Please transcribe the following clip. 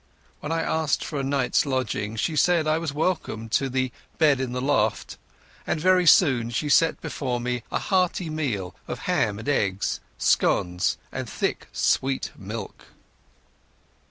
When I asked for a night's lodging she said I was welcome to the "bed in the loft", and very soon she set before me a hearty meal of ham and eggs, scones, and thick sweet milk.